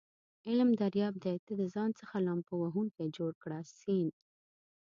علم دریاب دی ته دځان څخه لامبو وهونکی جوړ کړه س